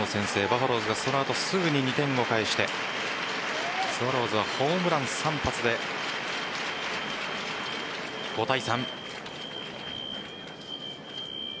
バファローズがその後すぐに２点を返してスワローズはホームラン３発で５対３。